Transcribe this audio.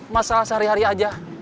masalah sehari hari aja